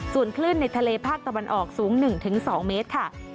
ส่วนคลื่นในทะเลภาคตะวันออกสูง๑๒เมตรค่ะ